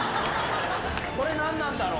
これ何なんだろう？